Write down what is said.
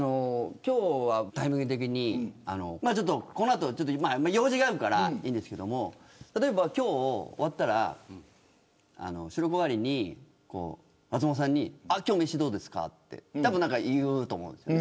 今日はタイミング的にこの後、用事があるからいいんですけれども例えば今日終わったら収録終わりに松本さんに今日飯どうですかってたぶん言うと思うんです。